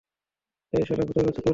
অ্যাই শালা ভূতের বাচ্চা, দূর হ।